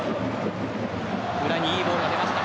裏にいいボールが出ました。